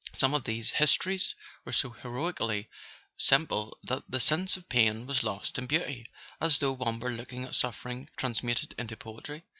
Some of these histories were so heroically simple that the sense of pain was lost in beauty, as though one were looking at suffering transmuted into poetry.